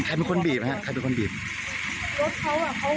ใครเป็นคนบีบรถเขาเหมือนหัวไปทุกคนแต่รถนานประมาณนาที๒๓นาที